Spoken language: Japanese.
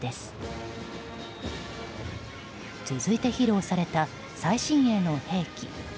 続いて披露された最新鋭の兵器。